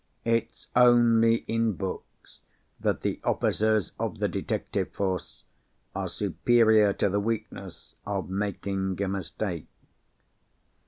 It's only in books that the officers of the detective force are superior to the weakness of making a mistake."